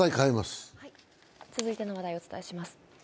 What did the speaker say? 続いての話題をお伝えします。